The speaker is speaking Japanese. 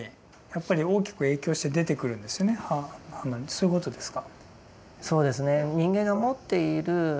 そういうことですか？